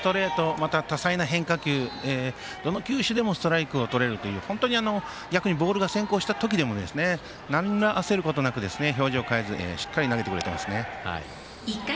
また、多彩な変化球どの球種でもストライクをとれるという本当に、逆にボールが先行した時でもなんら焦ることなく、表情変えずしっかり投げてきますね。